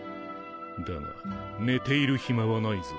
だが寝ている暇はないぞ。